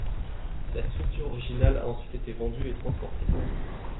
La structure originale a ensuite été vendue et transportée.